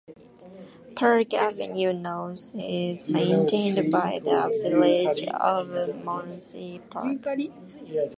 Park Avenue North is maintained by the Village of Munsey Park.